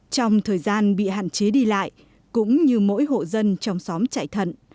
trong thời gian bị hạn chế đi lại cũng như mỗi hộ dân trong xóm chạy thận